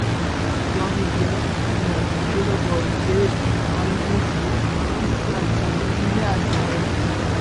جانی دپ هنرپیشه و بازیگر فیلم هایی مثل آلیس در سرزمین عجایب